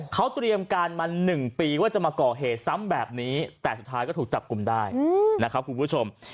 เขาเตรียมการมา๑ปีว่าจะมาก่อเหตุซ้ำแบบนี้แต่สุดท้ายก็ถูกจับกลุ่มได้นะครับคุณผู้ชม